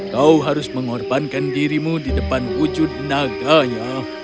kau harus mengorbankan dirimu di depan wujud naganya